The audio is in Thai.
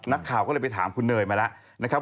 นักข่าวก็เลยไปถามคุณเนยมาแล้ว